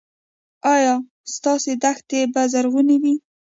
ایا ستاسو دښتې به زرغونې وي؟